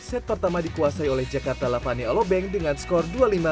set pertama dikuasai oleh jakarta lavani alobeng dengan skor dua puluh lima dua puluh dua